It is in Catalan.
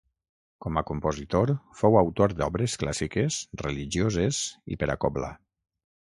Com a compositor fou autor d'obres clàssiques, religioses i per a cobla.